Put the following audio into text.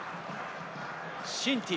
シンティ。